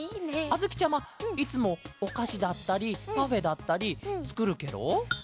あづきちゃまいつもおかしだったりパフェだったりつくるケロ？